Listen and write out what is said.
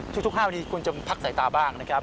ทุก๕วันนี้คุณจะพักสายตาบ้างนะครับ